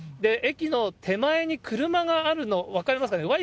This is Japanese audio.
駅の手前に車があるの、分かりますかね。